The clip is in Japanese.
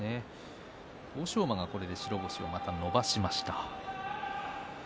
欧勝馬が白星を伸ばしました。